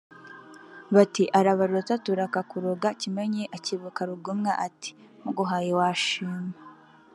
” Bati” Arabaruta turakakuroga” Kimenyi akebuka Rugomwa ati “Muguhaye wanshima